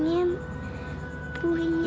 jadi seperti ini